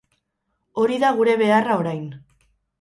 Hori da gure beharra orain.